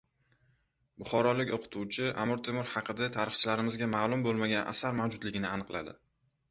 Buxorolik o‘qituvchi Amir Temur haqida tarixchilarimizga ma’lum bo‘lmagan asar mavjudligini aniqladi